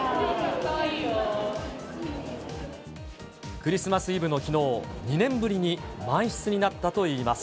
クリスマスイブのきのう、２年ぶりに満室になったといいます。